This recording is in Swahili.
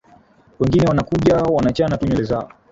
wengine wakuja wanachana tu nywele zao